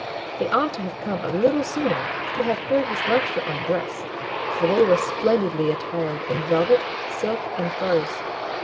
They ought to have come a little sooner to have heard his lecture on dress, for they were splendidly attired in velvet, silk, and furs.